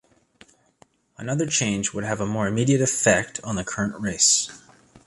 Another change would have a more immediate effect on the current race.